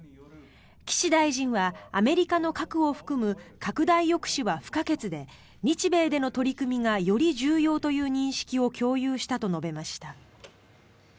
岸大臣はアメリカの核を含む拡大抑止は不可欠で日米での取り組みがより重要という認識を共有したと述べました。